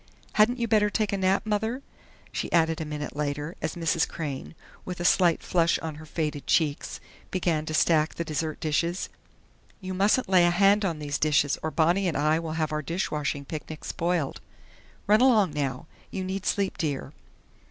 "Hadn't you better take a nap, Mother?" she added a minute later, as Mrs. Crain, with a slight flush on her faded cheeks, began to stack the dessert dishes. "You mustn't lay a hand on these dishes, or Bonnie and I will have our dishwashing picnic spoiled.... Run along now. You need sleep, dear."